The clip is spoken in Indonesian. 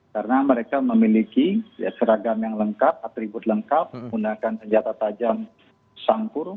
karena mereka memiliki seragam yang lengkap atribut lengkap menggunakan senjata tajam sangkur